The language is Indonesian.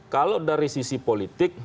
kalau dari sisi politik